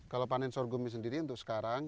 kalau panen sorghum sendiri untuk sekarang